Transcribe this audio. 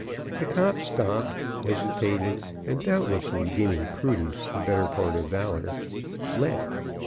The cop stopped, hesitated, and, doubtlessly deeming prudence the better part of valor, "let."